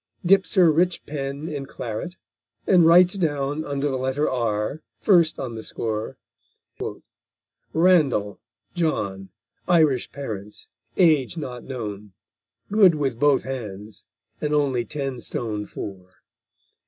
Dips her rich pen in_ claret_, <and writes down Under the letter R, first on the score, "Randall, John, Irish Parents, age not known, Good with both hands, and only ten stone four!